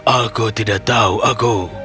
aku tidak tahu aku